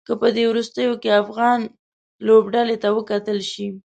که په دې وروستيو کې افغان لوبډلې ته وکتل شي.